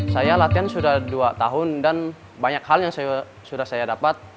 saya latihan sudah dua tahun dan banyak hal yang sudah saya dapat